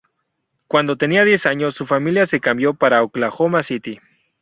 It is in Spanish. Cuando tenía diez años, su familia se cambió para Oklahoma City.